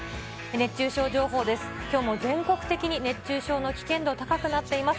熱中症情報です。